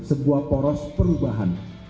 sebuah poros perubahan